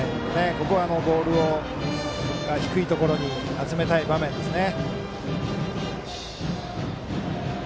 ここはボールを低いところに集めたい場面ですね。